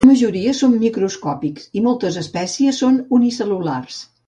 La majoria són microscòpics i moltes espècies són unicel·lulars.